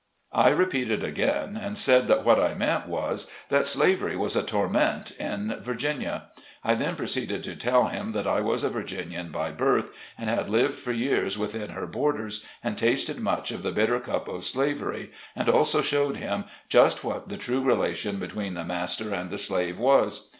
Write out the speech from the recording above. I repeated again, and said that what I meant was, that slavery was a torment in Virginia. I then pro ceeded to tell him that I was a Virginian by birth, and had lived for years within her borders and tasted much of the bitter cup of slavery, and also showed him just what the true relation between the master and the slave was.